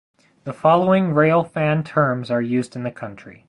The following railfan terms are used in the country.